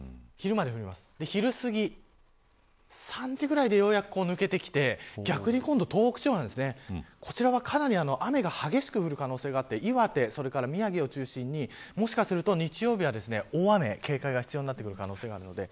昼すぎ３時ぐらいでようやく抜けてきて逆に東北地方こちらはかなり雨が激しく降る可能性があって岩手、宮城を中心にもしかすると日曜日は大雨に警戒が必要になる可能性があります。